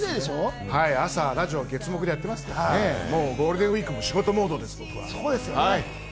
ラジオを月・木でやってますから、ゴールデンウイークも僕は仕事モードです。